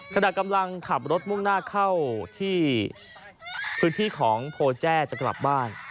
ขณะกำลังขับรถมุ่งหน้าเข้าที่พื้นที่ของโพแจ้จะกลับบ้าน